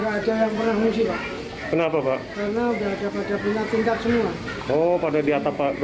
enam puluh cm daerah sini ada yang lebih dalam lagi pak